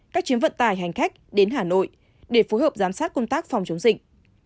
các chuyến vận tải hành khách đến hà nội để phối hợp giám sát công tác phòng chống dịch